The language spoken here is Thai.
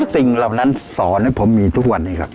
สิ่งเหล่านั้นสอนให้ผมมีทุกวันนี้ครับ